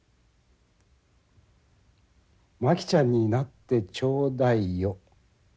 「牧ちゃんになってちょうだいよ」。